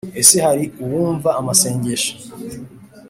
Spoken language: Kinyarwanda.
Ese hari uwumva amasengesho